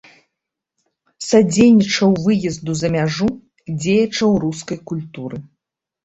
Садзейнічаў выезду за мяжу дзеячаў рускай культуры.